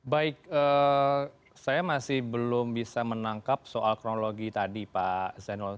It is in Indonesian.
baik saya masih belum bisa menangkap soal kronologi tadi pak zainul